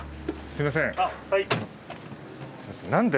すいません。